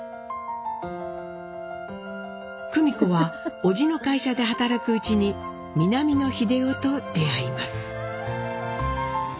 久美子は叔父の会社で働くうちに南野英夫と出会います。